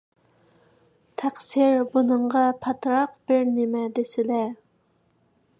تەقسىر، بۇنىڭغا پاتراق بىرنېمە دېسىلە.